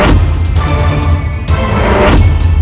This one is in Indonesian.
kenapa kalian saling menyerah